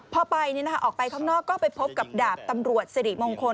พอไปออกไปข้างนอกก็ไปพบกับดาบตำรวจสิริมงคล